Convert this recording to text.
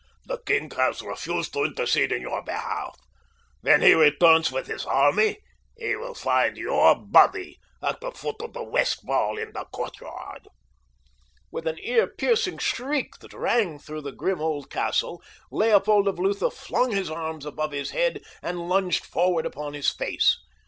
"The king has refused to intercede in your behalf. When he returns with his army he will find your body at the foot of the west wall in the courtyard." With an ear piercing shriek that rang through the grim old castle, Leopold of Lutha flung his arms above his head and lunged forward upon his face.